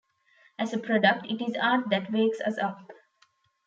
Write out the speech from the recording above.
As a product, it is art that wakes us up.